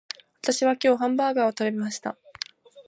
私は今日ハンバーガーを食べました